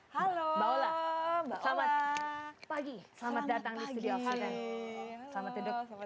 halo selamat pagi selamat datang di studio